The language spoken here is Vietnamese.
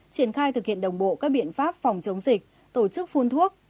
triển khai thực hiện đồng bộ các biện pháp phòng chống dịch tổ chức phun thuốc